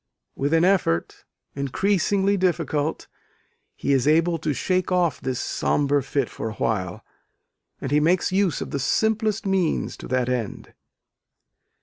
With an effort increasingly difficult he is able to shake off this sombre fit for awhile; and he makes use of the simplest means to that end.